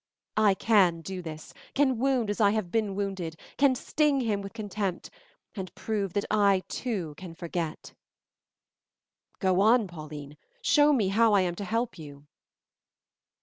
I can do this, can wound as I have been wounded, can sting him with contempt, and prove that I too can forget." "Go on, Pauline. Show me how I am to help you."